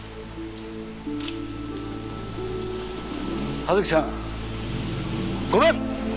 葉月ちゃんごめん！